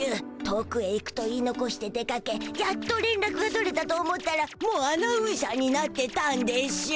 遠くへ行くと言いのこして出かけやっとれんらくが取れたと思ったらもうアナウンサーになってたんでしゅ。